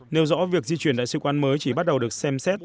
nêu rõ việc di chuyển đại sứ quán mới chỉ bắt đầu được xem xét